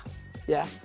dia akan mencari celah